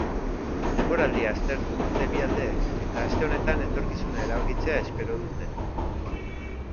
Denboraldia aztertu dute bi aldeek eta aste honetan etorkizuna erabakitzea espero dute.